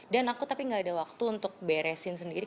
dan aku tapi gak ada waktu untuk beresin sendiri